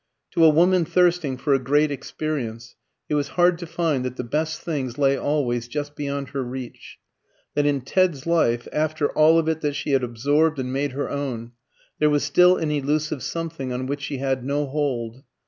To a woman thirsting for a great experience, it was hard to find that the best things lay always just beyond her reach; that in Ted's life, after all of it that she had absorbed and made her own, there was still an elusive something on which she had no hold.